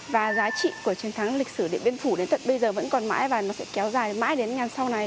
và giá trị của trần tháng lịch sử liên phủ đến tận bây giờ vẫn còn mãi và nó sẽ kéo dài mãi đến ngày sau này